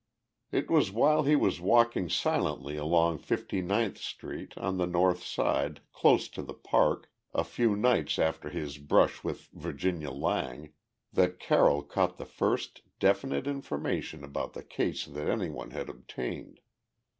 It was while he was walking silently along Fifty ninth Street, on the north side, close to the Park, a few nights after his brush with Virginia Lang, that Carroll caught the first definite information about the case that anyone had obtained.